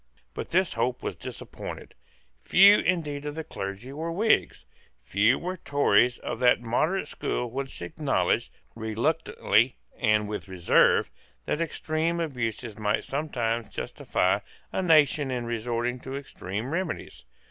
But this hope was disappointed. Few indeed of the clergy were Whigs. Few were Tories of that moderate school which acknowledged, reluctantly and with reserve, that extreme abuses might sometimes justify a nation in resorting to extreme remedies.